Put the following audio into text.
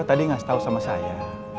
tadi gak setau sama saya